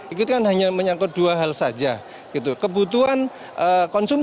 itu kan hanya menyangkut masalah political will ya dan sebetulnya kalau pemerintah ini punya visi jangka panjang